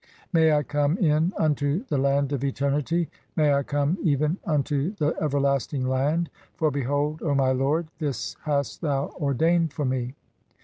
"May I come in unto the land of eternity, may I come even "(15) unto the everlasting land, for behold, O my lord, this hast "thou ordained for me."